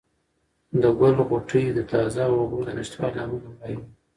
د ګل غوټۍ د تازه اوبو د نشتوالي له امله مړاوې وې.